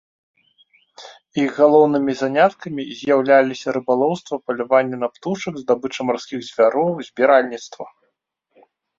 Іх галоўнымі заняткамі з'яўляліся рыбалоўства, паляванне на птушак, здабыча марскіх звяроў, збіральніцтва.